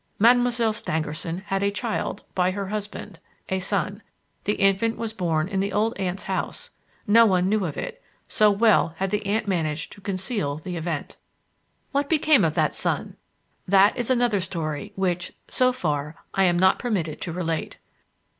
Mademoiselle Stangerson had a child, by her husband, a son. The infant was born in the old aunt's house. No one knew of it, so well had the aunt managed to conceal the event. What became of that son? That is another story which, so far, I am not permitted to relate.